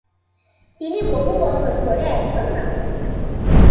তিনি বহু বছর ধরে একজন নাস্তিক।